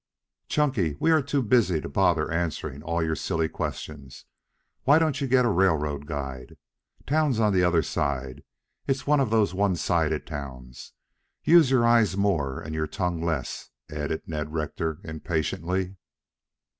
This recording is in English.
"Chunky, we are too busy to bother answering all your silly questions. Why don't you get a railroad guide? Town's on the other side. It's one of those one sided towns. Use your eyes more and your tongue less," added Ned Rector impatiently.